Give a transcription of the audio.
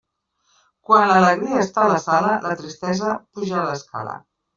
Quan l'alegria està a la sala, la tristesa puja l'escala.